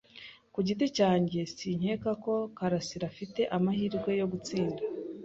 Ku giti cyanjye, sinkeka ko Karasiraafite amahirwe yo gutsinda.